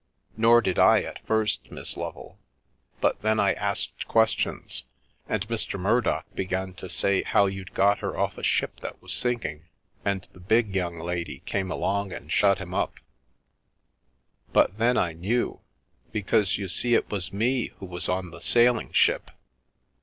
"Nor did I at first, Miss Lovel. But then I asked questions, and Mr. Murdock began to say how you'd got her off a ship that was sinking, and the big young lady came along and shut him up. But then I knew, because you see it was me who was on the sailing ship.